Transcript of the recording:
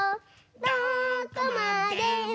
「どこまでも」